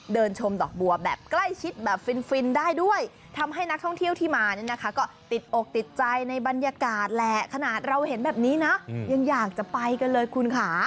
ชมดอกบัวแบบใกล้ชิดแบบฟินฟินได้ด้วยทำให้นักท่องเที่ยวที่มาเนี่ยนะคะก็ติดอกติดใจในบรรยากาศแหละขนาดเราเห็นแบบนี้นะยังอยากจะไปกันเลยคุณค่ะ